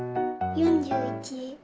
４１。